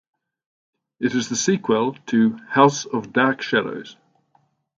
It is the sequel to "House of Dark Shadows".